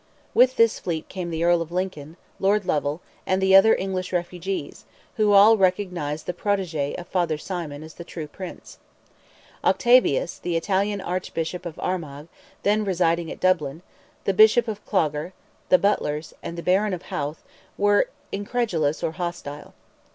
With this fleet came the Earl of Lincoln, Lord Lovell, and the other English refugees, who all recognized the protege of Father Symon as the true Prince. Octavius, the Italian Archbishop of Armagh, then residing at Dublin, the Bishop of Clogher, the Butlers, and the Baron of Howth, were incredulous or hostile.